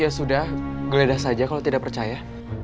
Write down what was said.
ya sudah geledah saja kalau tidak percaya